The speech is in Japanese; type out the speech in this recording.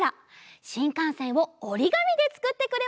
しんかんせんをおりがみでつくってくれました。